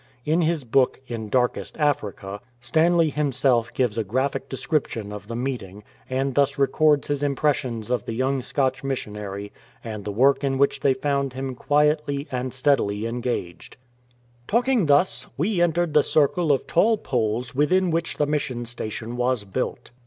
In his book, In Darkest Africa (vol. II, pp. 888 389), Stanley himself gives a graphic description of the meet ing, and thus records his impressions of the young Scotch missionary and the work in which they found him quietly and steadily engaged :— "Talking thus, we entered the circle of tall poles within which the mission station was built.